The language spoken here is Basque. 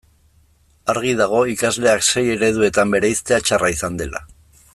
Argi dago ikasleak sei ereduetan bereiztea txarra izan dela.